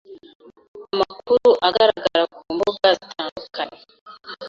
Amakuru agaragara ku mbuga zitandukanye